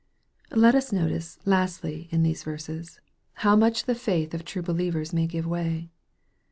Let us notice, lastly, in these verses, how much the faith of true believers may give way.